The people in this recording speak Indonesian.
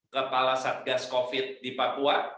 kepala satgas covid di papua